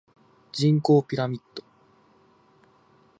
人口ピラミッド